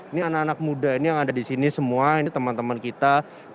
ini anak anak muda ini yang ada di sini semua ini teman teman kita